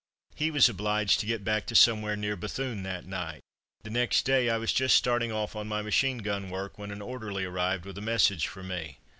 He was obliged to get back to somewhere near Bethune that night. The next day I was just starting off on my machine gun work when an orderly arrived with a message for me.